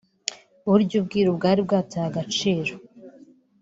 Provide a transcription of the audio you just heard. burya ubwiru bwari bwataye agaciro